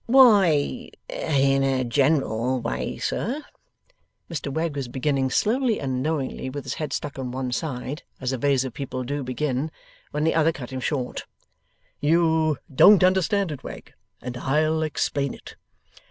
'Why, in a general way, sir,' Mr Wegg was beginning slowly and knowingly, with his head stuck on one side, as evasive people do begin, when the other cut him short: 'You DON'T understand it, Wegg, and I'll explain it.